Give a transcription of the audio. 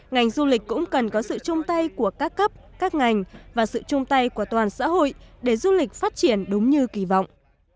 ngành du lịch cũng cần có sự chung tay của các cấp các ngành và sự chung tay của toàn xã hội để du lịch phát triển đúng như kỳ vọng